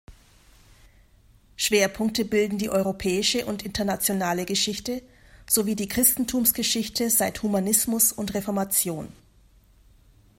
Schwerpunkte bilden die europäische und internationale Geschichte sowie die Christentumsgeschichte seit Humanismus und Reformation.